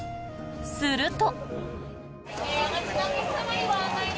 すると。